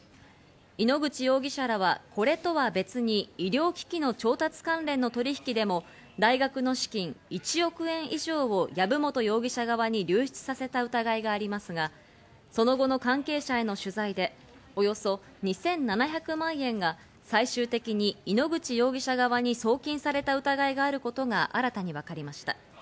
井ノ口容疑者らはこれとは別に医療機器の調達関連の取引でも大学の資金１億円以上を籔本容疑者側に流出させた疑いがありますが、その後の関係者への取材でおよそ２７００万円が最終的に井ノ口容疑者側に送金された疑いがあることが新たに分かりました。